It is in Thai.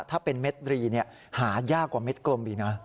ถ้าเป็นเม็ดรีหายากกว่าเม็ดกลมอีกนะ